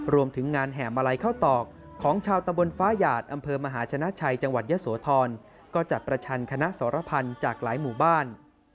รวมถึงงานแห่มาลัยข้าวตอกของชาวตะบนฟ้าหยาดอำเภอมหาชนะชัยจังหวัดยะโสธรก็จัดประชันคณะสรพันธ์จากหลายหมู่บ้าน